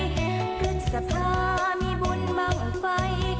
ฤทธิ์สะพามีบุญบังไฟ